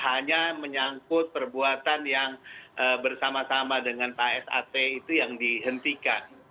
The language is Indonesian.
hanya menyangkut perbuatan yang bersama sama dengan pak sat itu yang dihentikan